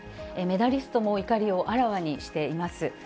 メダリストも怒りをあらわにしています。